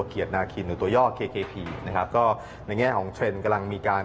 ครับผม